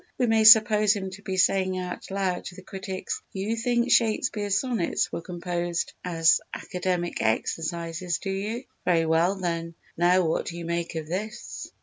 We may suppose him to be saying out loud to the critics: "You think Shakespeare's Sonnets were composed as academic exercises, do you? Very well then, now what do you make of this?"